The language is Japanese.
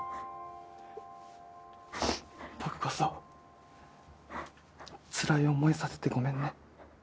僕こそつらい思いさせてごめんね。